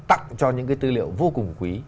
tặng cho những cái tư liệu vô cùng quý